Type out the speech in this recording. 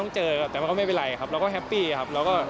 จ้า